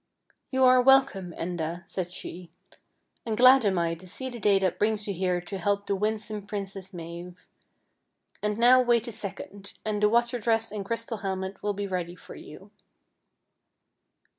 " You are welcome, Enda," said she. " And glad am I to see the day that brings you here to help the winsome Princess Mave. And now wait a second, and the water dress and crystal helmet will be ready for you."